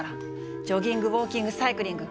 ジョギングウォーキングサイクリング。